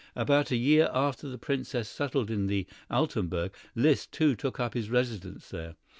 About a year after the Princess settled in the Altenburg, Liszt, too, took up his residence there.